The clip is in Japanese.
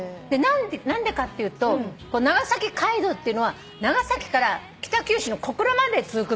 何でかっていうと長崎街道っていうのは長崎から北九州の小倉まで続く道なのね。